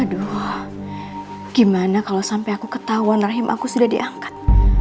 aduh gimana kalau sampai aku ketahuan rahim aku sudah diangkat